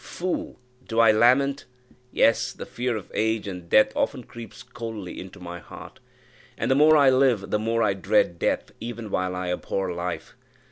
Fool! do I lament? Yes, the fear of age and death often creeps coldly into my heart; and the more I live, the more I dread death, even while I abhor life.